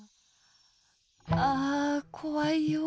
あこわいよ。